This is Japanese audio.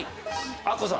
アッコさん。